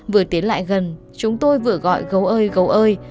vừa tiến lại gần chúng tôi vừa gọi gấu ơi gấu ơi